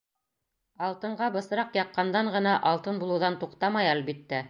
Алтынға бысраҡ яҡҡандан ғына алтын булыуҙан туҡтамай, әлбиттә.